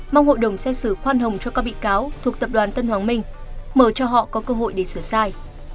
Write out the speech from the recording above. mong hội đồng xét xử khoan hồng cho các bị cáo thuộc tập đoàn tân hoàng minh mở cho họ có cơ hội để sửa sai